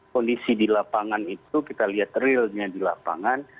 kondisi di lapangan itu kita lihat realnya di lapangan